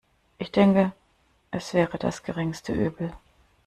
Ich denke, es wäre das geringste Übel.